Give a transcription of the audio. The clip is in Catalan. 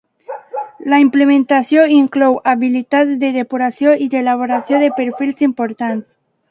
La implementació inclou habilitats de depuració i d"elaboració de perfils importants.